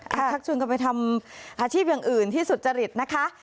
ชักชวนกันไปทำอาชีพอย่างอื่นที่สุจริตนะคะ